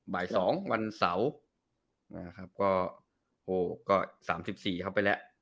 บ่าย๒วันเสาร์นะครับก็๓๔เข้าไปแล้ว